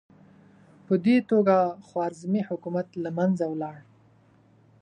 په دې توګه خوارزمي حکومت له منځه لاړ.